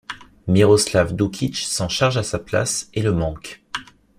Miroslav Dukic s'en charge à sa place, et le manque.